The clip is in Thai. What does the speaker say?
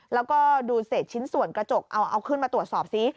แล้วก็ดูเศษชิ้นส่วนกระจกเอาขึ้นมาตรวจสอบซิ